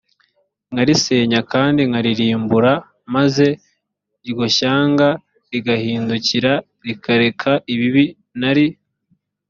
nkarisenya kandi nkaririmbura maze iryo shyanga rigahindukira rikareka ibibi nari